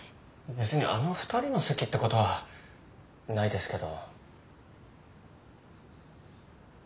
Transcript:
別にあの２人の席ってことはないですけど。